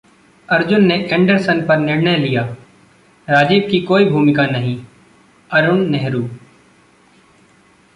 अर्जुन ने एंडरसन पर निर्णय लिया, राजीव की कोई भूमिका नहीं: अरूण नेहरू